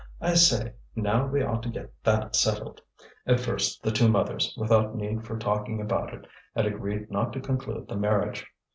"I say, now we ought to get that settled." At first the two mothers, without need for talking about it, had agreed not to conclude the marriage.